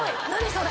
それ。